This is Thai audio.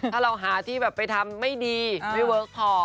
ถ้าเราหาที่แบบไปทำไม่ดีไม่เวิร์คพอ